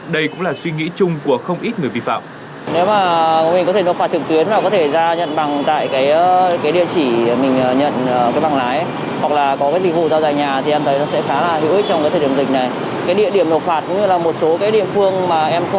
đây cũng là suy nghĩ chung của không ít người vi phạm